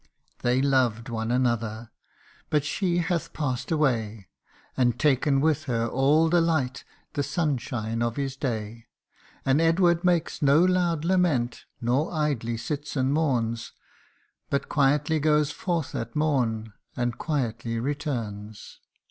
They loved one another ! but she hath past away, And taken with her all the light, the sunshine of his day ; And Edward makes no loud lament, nor idly sits and mourns, But quietly goes forth at morn, and quietly returns.